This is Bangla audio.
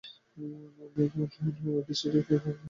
নীর-নৃপর অদৃষ্টে কি খারাপ ছেলে হতে পারে।